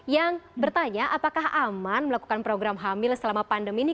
yang bertanya apakah aman melakukan program hamil selama pandemi ini